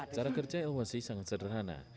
cara kerja elwasi sangat sederhana